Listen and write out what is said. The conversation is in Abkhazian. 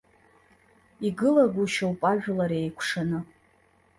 Игылагәышьоуп ажәлар еикәшаны.